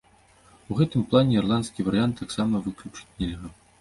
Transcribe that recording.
У гэтым плане ірландскі варыянт таксама выключыць нельга.